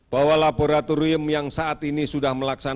bahwa laboratorium yang saat ini sudah melaksanakan